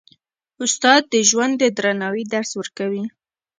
استاد د ژوند د درناوي درس ورکوي.